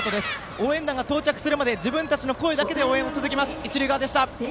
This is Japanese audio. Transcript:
応援団が到着するまで自分たちの声だけを応援を続けます。